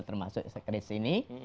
termasuk sekretis ini